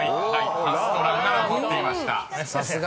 ［「ハス」と「ラン」が残っていました］